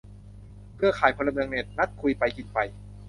เครือข่ายพลเมืองเน็ต นัดคุยไปกินไป